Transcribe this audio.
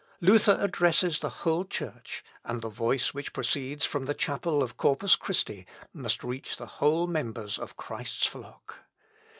Luther addresses the whole Church, and the voice which proceeds from the chapel of Corpus Christi, must reach the whole members of Christ's flock.